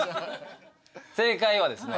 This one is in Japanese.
正解はですね